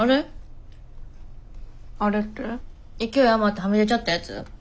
勢い余ってはみ出ちゃったやつ？